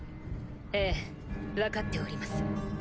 ええ分かっております。